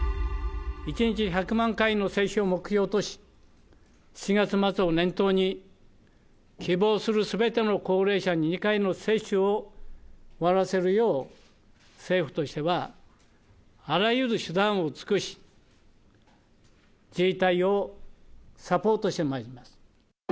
１日１００万回の接種を目標とし、７月末を念頭に希望するすべての高齢者に２階の接種を終わらせるよう、政府としてはあらゆる手段を尽くし、自治体をサポートしてまいります。